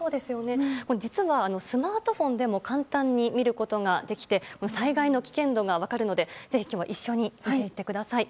実は、スマートフォンでも簡単に見ることができて災害の危険度が分かるのでぜひ今日は一緒に見ていってください。